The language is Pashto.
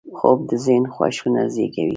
خوب د ذهن خوښونه زېږوي